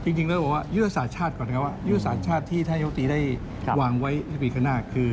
จริงทั้งว่ายุทธศาสตร์ชาติก่อนแน็บว่ายุทธศาสตร์ชาติที่ท่านโยทิได้วางไว้ินคณะคือ